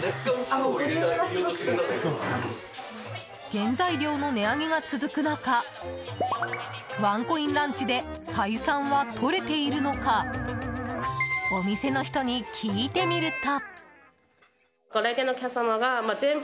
原材料の値上げが続く中ワンコインランチで採算は取れているのかお店の人に聞いてみると。